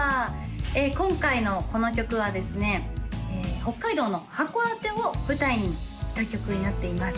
今回のこの曲はですね北海道の函館を舞台にした曲になっています